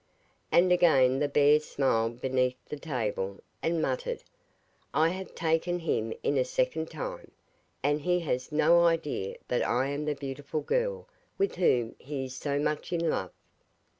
And again the bear smiled beneath the table, and muttered: 'I have taken him in a second time, and he has no idea that I am the beautiful girl with whom he is so much in love.